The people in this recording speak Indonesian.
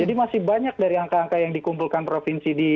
jadi masih banyak dari angka angka yang dikumpulkan provinsi di negara